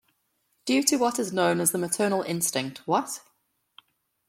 Due to what is known as the maternal instinct, what?